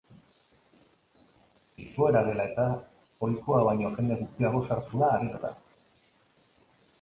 Egoera dela eta, ohikoa baino jende gutxiago sartu da aretora.